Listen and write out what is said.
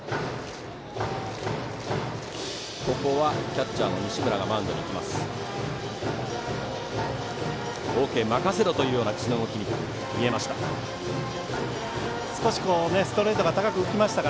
キャッチャーの西村がマウンドに行きました。